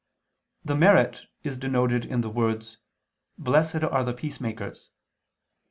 The merit is denoted in the words, "Blessed are the peacemakers."